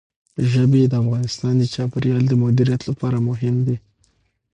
ژبې د افغانستان د چاپیریال د مدیریت لپاره مهم دي.